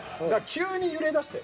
急に揺れだしたよ。